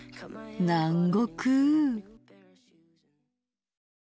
南国。